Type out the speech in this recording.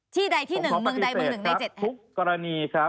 ที่ใดที่หนึ่งเมืองใดเมืองหนึ่งในเจ็ดแห่งผมขอปฏิเสธครับ